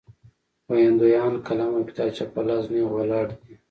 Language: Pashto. ویاندویان قلم او کتابچه په لاس نېغ ولاړ دي.